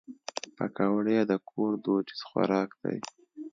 پکورې د کور دودیز خوراک دی